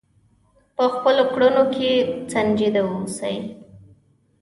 په خپلو کړنو کې سنجیده اوسئ.